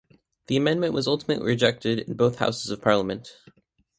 The amendment was ultimately rejected in both Houses of Parliament.